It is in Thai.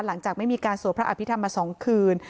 หลังจากไม่มีการสวดพระอภิษฐรรมมา๒คืน